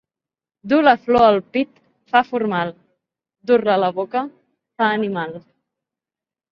Dur la flor al pit fa formal, dur-la a la boca fa animal.